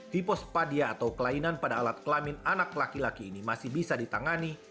hipospadia atau kelainan pada alat kelamin anak laki laki ini masih bisa ditangani